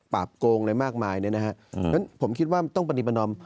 ปราบโกงในมากมายเนี่ยนะครับเพราะฉะนั้นผมคิดว่าต้องปฏิบันดำ